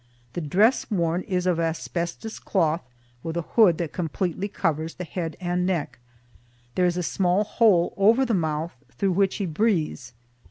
The dress worn is of asbestos cloth with a hood that completely covers the head and neck. There is a small hole over the mouth through which he breathes.